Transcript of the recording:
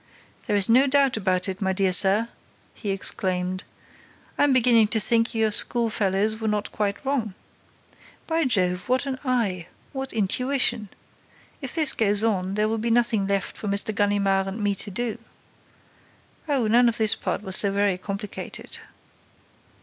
"There's no doubt about it, my dear sir," he exclaimed. "I'm beginning to think your school fellows were not quite wrong. By Jove, what an eye! What intuition! If this goes on, there will be nothing left for M. Ganimard and me to do." "Oh, none of this part was so very complicated!"